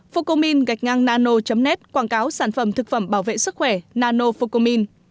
phocomin gạch ngang nano net quảng cáo sản phẩm thực phẩm bảo vệ sức khỏe nano phocomin